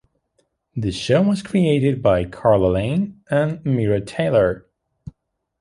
The show was created by Carla Lane and Myra Taylor.